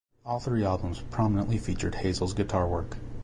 All three albums prominently featured Hazel's guitar work.